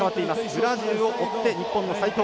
ブラジルを追って、日本の齋藤。